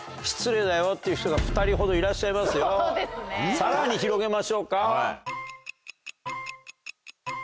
さらに広げましょうか。